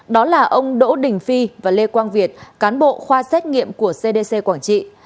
đó là ông đỗ đình phi và lê quang việt cán bộ khoa xét nghiệm của cdc quảng trị